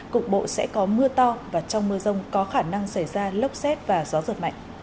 cục bộ sẽ có mưa to và trong mưa rông có khả năng xảy ra lốc xét và gió giật mạnh